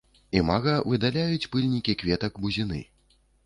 Імага выядаюць пыльнікі кветак бузіны.